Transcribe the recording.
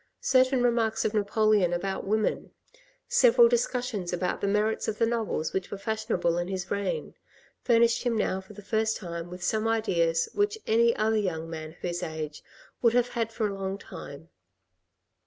Certain remarks of Napoleon about women, several dis cussions about the merits of the novels which were fashionable in his reign, furnished him now for the first time with some ideas which any other young man of his age would have had for a long time.